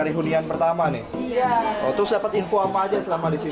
kita kan datang kita dapat formulir